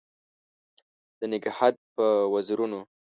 د نګهت په وزرونو